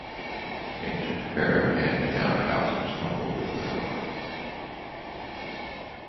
An ancient pair of hand-me-down trousers tumbled to the floor.